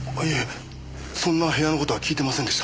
そんな部屋の事は聞いてませんでした。